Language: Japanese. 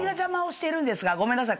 ごめんなさい。